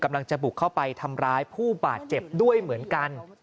กำลังจะบุกเข้าไปทำร้ายผู้บาดเจ็บด้วยเหมือนกัน